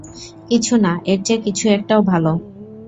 কিছু না এর চেয়ে, কিছু একটাও ভাল।